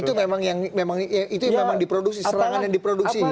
itu memang yang diproduksi serangan yang diproduksi gitu ya